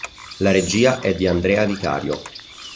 La regia è di Andrea Vicario.